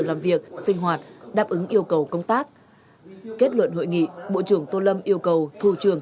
làm việc sinh hoạt đáp ứng yêu cầu công tác kết luận hội nghị bộ trưởng tô lâm yêu cầu thủ trưởng